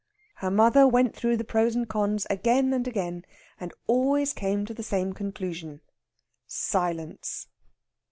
Her mother went through the pros and cons again and again, and always came to the same conclusion silence.